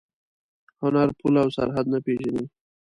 هنر پوله او سرحد نه پېژني.